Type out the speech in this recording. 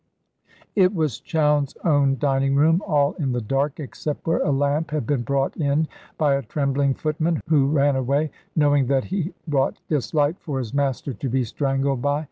It was Chowne's own dining room, all in the dark, except where a lamp had been brought in by a trembling footman, who ran away, knowing that he brought this light for his master to be strangled by.